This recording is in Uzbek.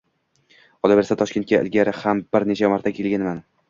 qolaversa, Toshkentga ilgari ham bir necha marta kelganman.